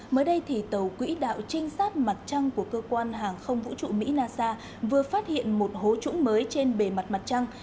mới đây tàu quỹ đạo trinh sát mặt trăng của cơ quan hàng không vũ trụ mỹ nasa vừa phát hiện một hố trũng mới trên bề mặt mặt trăng